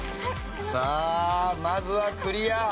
さあまずはクリア。